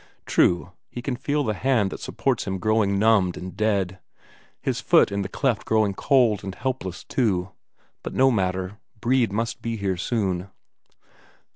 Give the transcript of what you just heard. True, he can feel the hand that supports him growing numbed and dead, his foot in the cleft growing cold and helpless too; but no matter, Brede must be here soon.